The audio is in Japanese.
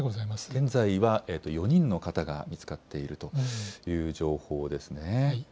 現在は４人の方が見つかっているという情報ですね。